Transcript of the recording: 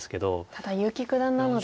ただ結城九段なので。